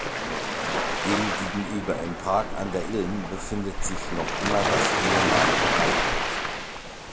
Dem gegenüber im Park an der Ilm befindet sich noch immer das ehemalige Reithaus.